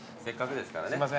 せっかくですからね。